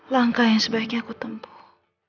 langkah yang sebaiknya aku tempuh